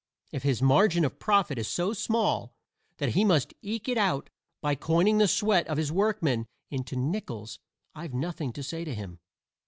If his margin of profit is so small that he must eke it out by coining the sweat of his workwomen into nickels I've nothing to say to him.